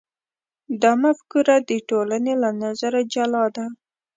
دا مفکوره د ټولنې له نظره جلا ده.